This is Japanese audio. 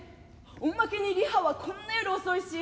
おまけにリハはこんな夜遅いし。